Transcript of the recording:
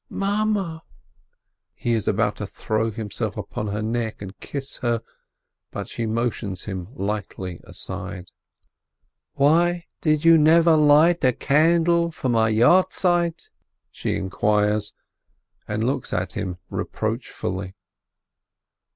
"Mame! ! I" He is about to throw himself upon her neck and kiss her, but she motions him lightly aside. "Why do you never light a candle for my Yohrzeit ?" she inquires, and looks at him reproachfully.